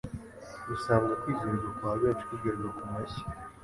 usanga kwizerwa kwa benshi kugerwa ku mashyi